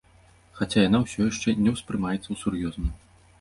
Хаця яна ўсё яшчэ не ўспрымаецца сур'ёзна.